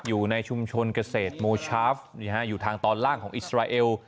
อยู่ในชุมชนเกษตรโมชาฟอยู่ทางตอนล่างของอิสราเอล